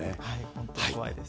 本当怖いです。